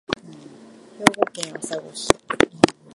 兵庫県朝来市